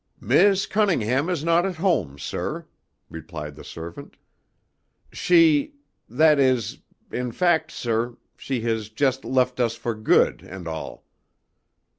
"Miss Cunningham is not at home, sir," replied the servant. "She that is in fact, sir, she has just left us for good and all.